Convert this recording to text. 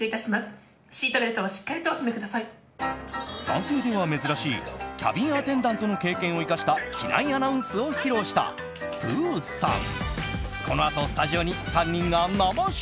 男性では珍しいキャビンアテンダントの経験を生かした機内アナウンスを披露したぷぅさん。